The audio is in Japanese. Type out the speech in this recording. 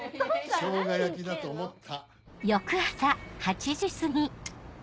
しょうが焼きだと思った。